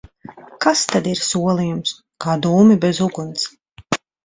Kas tad ir solījums? Kā dūmi bez uguns!